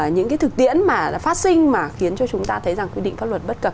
những cái thực tiễn mà phát sinh mà khiến cho chúng ta thấy rằng quy định pháp luật bất cập